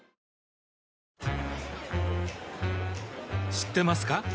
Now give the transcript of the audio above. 知ってますか？